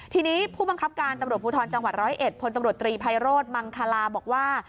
ทีนี้ผู้บังคับการตำรวจภูทรจังหวัด๑๐๑พตรีพมังทราบอกว่า